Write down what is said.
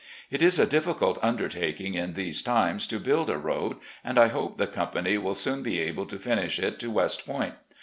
It is a difficult undertaking in these times to build a road, and I hope the company will soon be able to finish it to West Point.